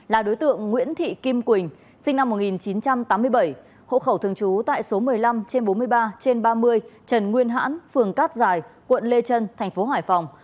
là đối tượng nguyễn thị kim quỳnh sinh năm một nghìn chín trăm tám mươi bảy hộ khẩu thường trú tại số một mươi năm trên bốn mươi ba trên ba mươi trần nguyên hãn phường cát giải quận lê trân thành phố hải phòng